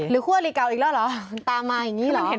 เลยคั่วลิเกาอีกหรอ